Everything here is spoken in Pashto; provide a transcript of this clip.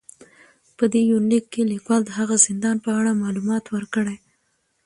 په دې يونليک کې ليکوال د هغه زندان په اړه معلومات ور کړي